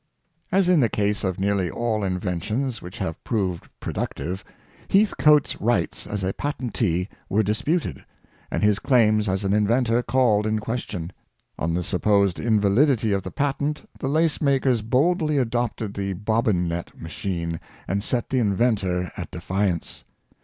As in the case of nearly all inventions which have proved productive, Heathcoat's rights as a patentee were disputed, and his claims as an inventor called in question. On the supposed invalidity of the patent, the lace makers boldly adopted the bobbin net machine, and set the inventor at defiance.